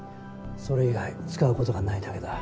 それ以外に使うことがないだけだ。